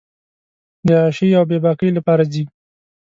د عیاشۍ اوبېباکۍ لپاره ځي.